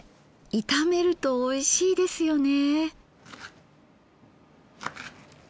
炒めるとおいしいですよね。